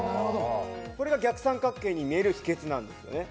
これが逆三角形に見える秘けつなんですよね